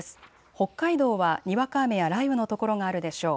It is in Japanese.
北海道はにわか雨や雷雨の所があるでしょう。